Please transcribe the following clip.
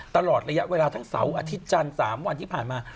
ตลอดระยะเวลาทั้งเสาร์อาทิตย์จันทร์๓วันที่ผ่านมา